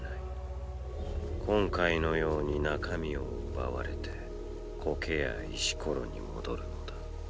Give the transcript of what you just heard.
今回のように中身を奪われてコケや石コロに戻るのだ。